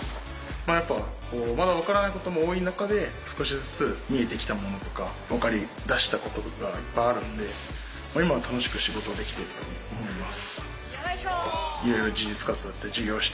まあやっぱまだ分からないことも多い中で少しずつ見えてきたものとか分かりだしたこととかいっぱいあるんで今は楽しく仕事できてると思います。